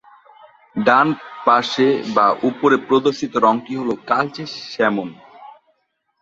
ডানপাশে বা উপরে প্রদর্শিত রঙটি হলো কালচে স্যামন।